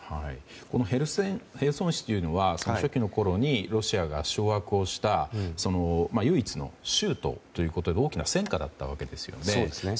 このヘルソン市というのは初期のころにロシアが掌握をした唯一の州都ということで大きな戦果だったわけですよね。